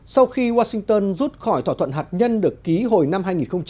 sau khi washington rút khỏi thỏa thuận hạt nhân được ký hồi năm hai nghìn một mươi năm